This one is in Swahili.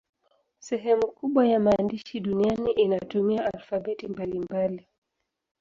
Sehemu kubwa ya maandishi duniani inatumia alfabeti mbalimbali.